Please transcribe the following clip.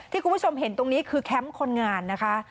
คุณผู้ชมเห็นตรงนี้คือแคมป์คนงานนะคะ